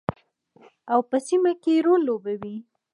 او په سیمه کې رول لوبوي.